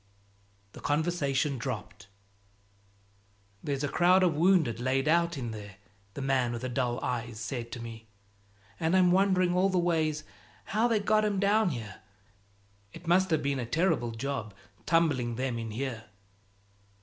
The conversation dropped. "There's a crowd of wounded laid out in there," the man with the dull eyes said to me, "and I'm wondering all ways how they got 'em down here. It must have been a terrible job, tumbling them in here."